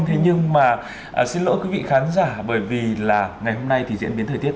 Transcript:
thế nhưng mà xin lỗi quý vị khán giả bởi vì là ngày hôm nay thì diễn biến thời tiết